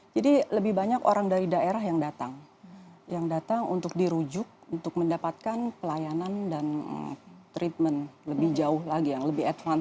jadi lebih banyak orang dari daerah yang datang yang datang untuk dirujuk untuk mendapatkan pelayanan dan treatment lebih jauh lagi yang lebih erat